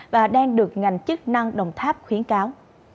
và đang được ngành chức năng đồng tháp khuyến cáo